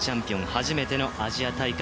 初めてのアジア大会。